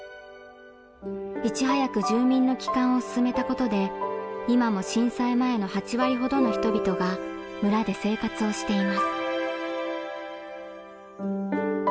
いち早く住民の帰還を進めたことで今も震災前の８割ほどの人々が村で生活をしています。